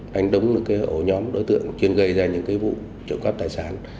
đánh trúng một ổ nhóm đối tượng chuyên gây ra những vụ trộm cắp tài sản